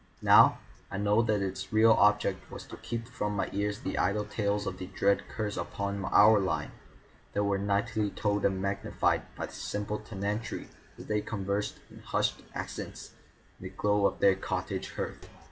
Now I know that its real object was to keep from my ears the idle tales of the dread curse upon our line, that were nightly told and magnified by the simple tenantry as they conversed in hushed accents in the glow of their cottage hearths.